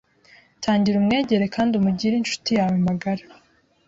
tangira umwegere kandi umugire inshuti yawe magara,